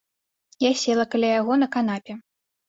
Я села каля яго на канапе.